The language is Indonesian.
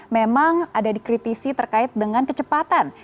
memang ada dikritisi terkait dengan kecepatan